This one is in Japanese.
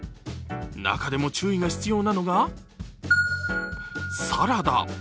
中でも注意が必要なのがサラダ。